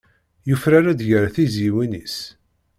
Yufrar-d ger tizzyiwin-is.